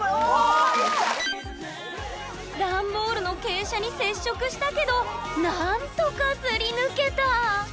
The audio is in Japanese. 段ボールの傾斜に接触したけど何とかすり抜けた！